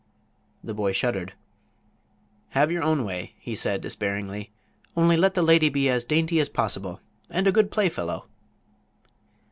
The boy shuddered. "Have your own way," he said, despairingly. "Only let the lady be as dainty as possible and a good playfellow."